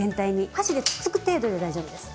箸でつっつく程度で大丈夫です。